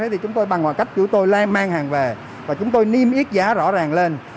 thì chúng tôi bằng mọi cách chúng tôi lai mang hàng về và chúng tôi niêm yết giá rõ ràng lên